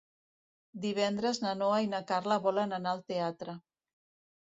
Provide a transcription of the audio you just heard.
Divendres na Noa i na Carla volen anar al teatre.